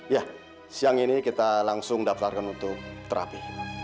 ya siang ini kita langsung daftarkan untuk terapi